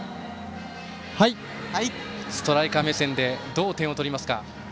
ストライカー目線でどう点を取りますか？